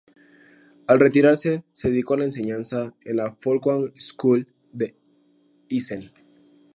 Al retirarse se dedicó a la enseñanza en la Folkwang-Schule de Essen.